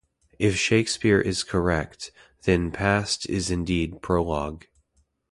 If Shakespeare is correct, then past is indeed prologue.